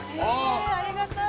◆えー、ありがたい。